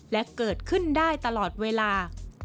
และเกิดขึ้นได้ตลอดเวลา